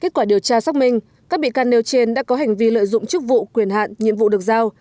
kết quả điều tra xác minh các bị can nêu trên đã có hành vi lợi dụng chức vụ quyền hạn nhiệm vụ được giao